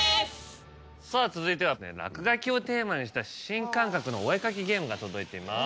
さぁ続いては落書きをテーマにした新感覚のお絵描きゲームが届いています。